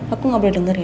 aku gak boleh denger ya